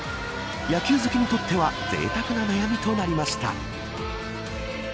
野球好きにとってはぜいたくな悩みとなりました。